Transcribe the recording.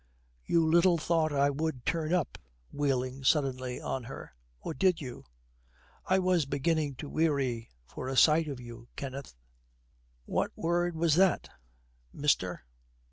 'You little thought I would turn up!' Wheeling suddenly on her. 'Or did you?' 'I was beginning to weary for a sight of you, Kenneth.' 'What word was that?' 'Mister.'